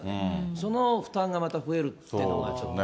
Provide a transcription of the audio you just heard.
その負担がまた増えるっていうのがちょっとね。